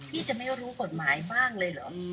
จะไม่รู้กฎหมายบ้างเลยเหรอ